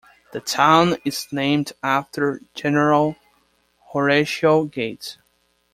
The town is named after General Horatio Gates.